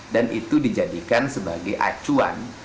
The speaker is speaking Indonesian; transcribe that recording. dan itu dijadikan sebagai acuan